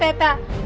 ternyata selama ini